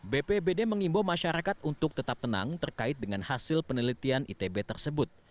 bpbd mengimbau masyarakat untuk tetap tenang terkait dengan hasil penelitian itb tersebut